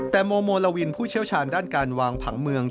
แต่โมโมลาวินผู้เชี่ยวชาญด้านการวางผังเมือง